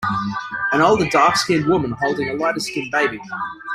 An older darkskinned woman holding a lighterskinned baby.